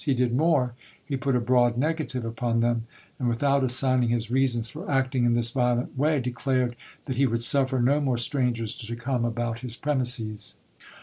He did more, he put a broad negative upon them ; and, without assigning his reasons for acting in this violent way, declared that he would suffer no more strangers to come about his premises.